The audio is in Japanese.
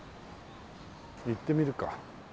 行ってみるか。